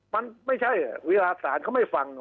มันไม่ใช่เวลาสารเขาไม่ฟัง